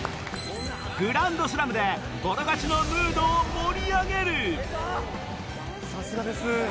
グランドスラムでボロ勝ちのムードを盛り上げるさすがです。